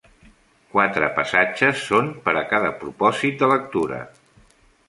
Quatre passatges són per a cada propòsit de lectura.